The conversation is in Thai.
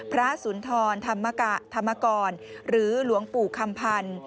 พระสุนธรธรรมกะธรรมกรหรือหลวงปู่คำพันธ์